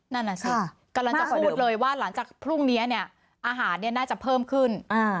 นั่นน่ะสิกำลังจะพูดเลยว่าหลังจากพรุ่งนี้เนี่ยอาหารน่าจะเพิ่มขึ้น